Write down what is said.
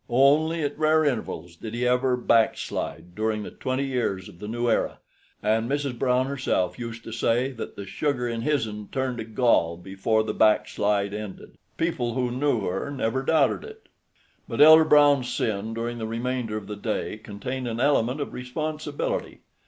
Only at rare intervals did he ever "backslide" during the twenty years of the new era, and Mrs. Brown herself used to say that the "sugar in his'n turned to gall before the backslide ended." People who knew her never doubted it. But Elder Brown's sin during the remainder of the day contained an element of responsibility.